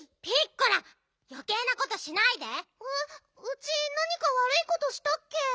ウチなにかわるいことしたっけ？